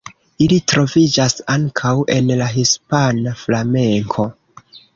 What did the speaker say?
Ili troviĝas ankaŭ en la hispana flamenko.